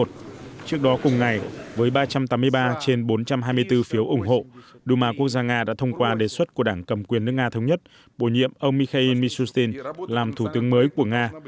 trước đó cùng ngày với ba trăm tám mươi ba trên bốn trăm hai mươi bốn phiếu ủng hộ duma quốc gia nga đã thông qua đề xuất của đảng cầm quyền nước nga thống nhất bổ nhiệm ông mikhail mishustin làm thủ tướng mới của nga